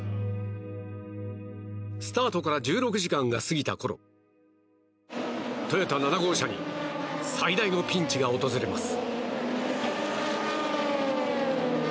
スタートから１６時間が過ぎたころトヨタ７号車に最大のピンチが訪れます。